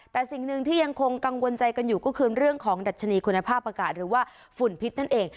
แต่สิ่งหนึ่งที่ยังคงกังวลใจกันอยู่ก็คือเรื่องของดัชนีคุณภาพอากาศหรือว่าฝุ่นพิษนั่นเอง